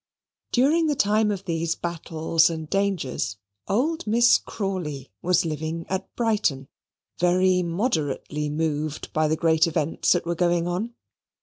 During the time of these battles and dangers, old Miss Crawley was living at Brighton, very moderately moved by the great events that were going on.